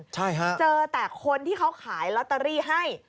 ใช่ฮะเจอแต่คนที่เขาขายลอตเตอรี่ให้